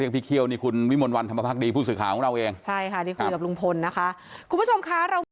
ผมเคารพเสมอในการทำงานของทนายผมไม่เจอในก้าวกาย